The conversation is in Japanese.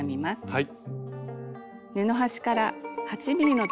はい。